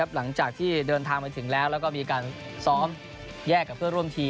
หลังจากที่เดินทางไปถึงแล้วแล้วก็มีการซ้อมแยกกับเพื่อนร่วมทีม